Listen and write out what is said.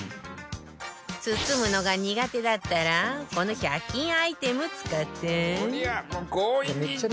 包むのが苦手だったらこの１００均アイテム使って